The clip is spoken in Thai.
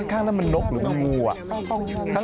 ข้างนั้นมันนกหรือมันงูอ่ะ